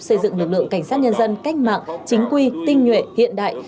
xây dựng lực lượng cảnh sát nhân dân cách mạng chính quy tinh nhuệ hiện đại